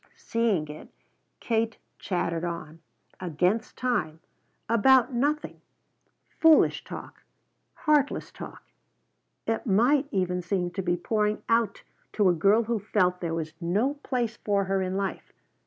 Seeing it, Katie chattered on, against time, about nothing; foolish talk, heartless talk, it might even seem, to be pouring out to a girl who felt there was no place for her in life.